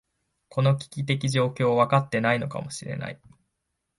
この危機的状況、分かっていないのかもしれない。